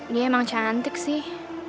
dia emang cantik sih